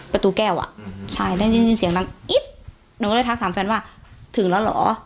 ประตูแก้วอ่ะใช่ได้ยินเสียงดังอิ๊บหนูก็เลยทักถามแฟนว่าถึงแล้วเหรอ